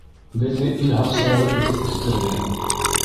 Беҙҙе ил һаҡсылары итеп үҫтерҙе.